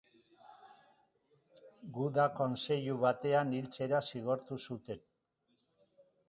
Guda kontseilu batean hiltzera zigortu zuten.